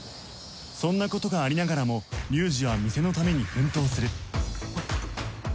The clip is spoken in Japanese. そんな事がありながらも龍二は店のために奮闘する